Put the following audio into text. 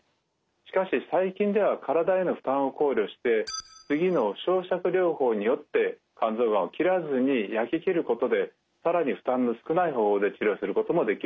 しかし最近では体への負担を考慮して次の焼しゃく療法によって肝臓がんを切らずに焼き切ることで更に負担の少ない方法で治療することもできるんですね。